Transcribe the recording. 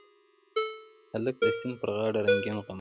هلک د سیند پر غاړه رنګین غمي